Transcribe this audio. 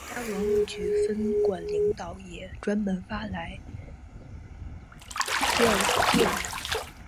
国家文物局分管领导也专门发来唁电。